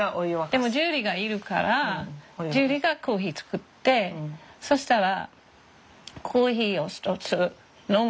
でもジュリがいるからジュリがコーヒー作ってそしたらコーヒーを１つ飲むじゃない。